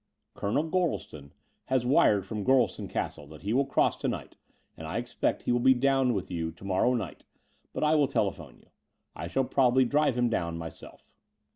"Colonel Gorleston has wired from Gorleston Castle that he will cross to night; and I expect he will be down with you to morrow night, but I will telephone you. I shall probably drive him down myself."